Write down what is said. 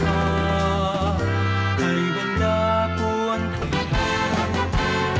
สวัสดีวันปีใหม่พาให้บรรดาเราทันรื่นร้อง